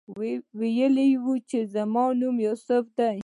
ویې ویل چې زما نوم یوسف دی.